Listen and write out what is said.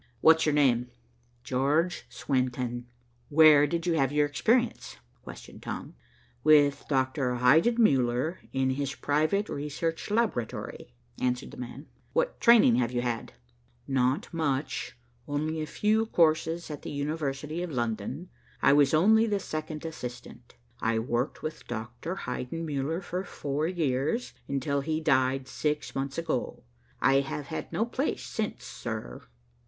"What's your name?" "George Swenton." "Where did you have your experience?" questioned Tom. "With Doctor Heidenmuller, in his private research laboratory," answered the man. "What training have you had?" "Not much. Only a few courses at the University of London. I was only the second assistant. I worked with Doctor Heidenmuller for four years, until he died six months ago. I have had no place since, sir."